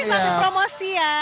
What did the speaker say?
ini satu promosi ya